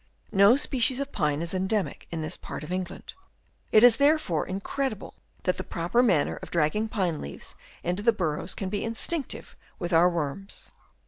No species of pine is endemic in this part of England, it is therefore incredible that the proper manner of dragging pine leaves into the burrows can be instinctive with our worms.